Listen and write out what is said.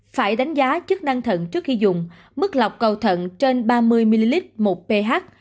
phải đánh giá chức năng thận trước khi dùng mức lọc cầu thận trên ba mươi ml một ph